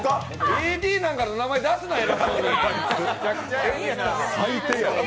ＡＤなんかの名前出すなよ！